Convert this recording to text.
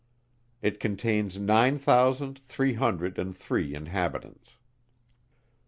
It contains nine thousand three hundred and three inhabitants.